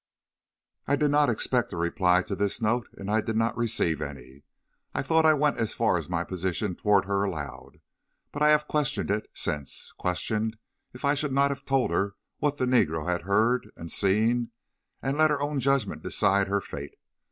"I did not expect a reply to this note, and I did not receive any. I thought I went as far as my position toward her allowed, but I have questioned it since questioned if I should not have told her what the negro had heard and seen, and let her own judgment decide her fate.